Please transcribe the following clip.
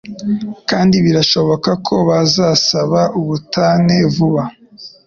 kandi birashoboka ko bazasaba ubutane vuba